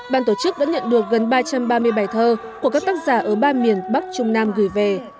ban tổ chức đã nhận được gần ba trăm ba mươi bài thơ của các tác giả ở ba miền bắc trung nam gửi về